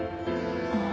ああ